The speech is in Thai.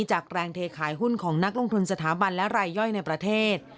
จากแรงเทขายหุ้นของนักลงทุนสถาบันและรายย่อยในประเทศ